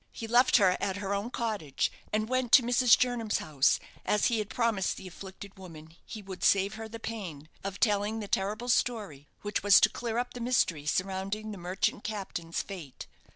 He left her at her own cottage, and went to Mrs. Jernam's house, as he had promised the afflicted woman he would save her the pain of telling the terrible story which was to clear up the mystery surrounding the merchant captain's fate.